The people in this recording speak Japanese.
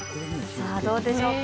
さあ、どうでしょうか。